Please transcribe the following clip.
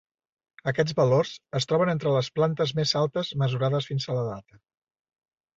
Aquests valors es troben entre les plantes més altes mesurades fins a la data.